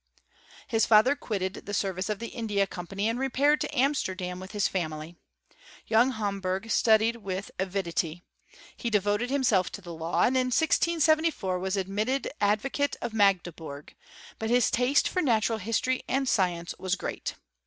His father quitted the service of the India Com pany and repaired to Amsterdam with his family. Young Homberg studied with avidity : he devoted himself to the law, and in 1674 was admitted advo * cate of Magdeburg; but his taste for natural history and science was great.